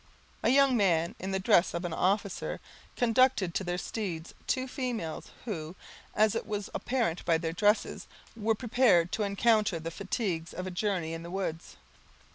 A young man, in the dress of an officer, conducted to their steeds two females, who, as it was apparent by their dresses, were prepared to encounter the fatigues of a journey in the woods.